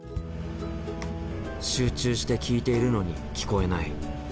集中して聞いているのに聞こえない。